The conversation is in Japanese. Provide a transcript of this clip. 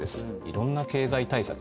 いろんな経済対策